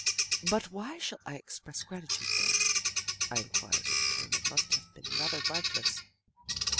"But why shall I express gratitude there?" I inquired in a tone that must have been rather lifeless.